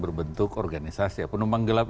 berbentuk organisasi penumpang gelap